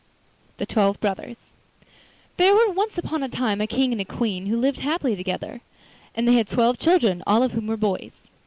THE TWELVE BROTHERS There were once upon a time a King and a Queen who lived happily together, and they had twelve children, all of whom were boys.